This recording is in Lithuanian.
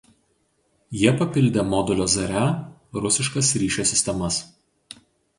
Jie papildė modulio „Zaria“ rusiškas ryšio sistemas.